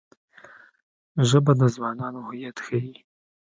ژبه د ځوانانو هویت ښيي